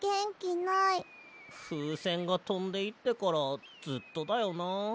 ふうせんがとんでいってからずっとだよな。